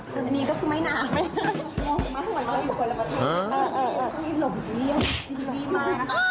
อปเปิร์ย์สุดใจไหมคะเค้านี้มีหลายคนมาก